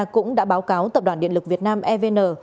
cũng đã báo cáo tập đoàn điện lực việt nam evn